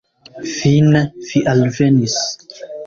Fine, vi alvenis!